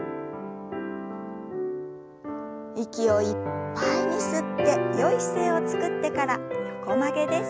息をいっぱいに吸ってよい姿勢をつくってから横曲げです。